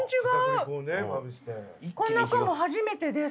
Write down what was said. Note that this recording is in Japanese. こんな鴨初めてです。